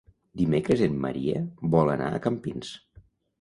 Dimecres en Maria vol anar a Campins.